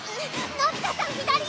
のび太さん左よ！